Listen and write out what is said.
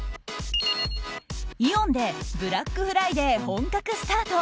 イオンでブラックフライデー本格スタート。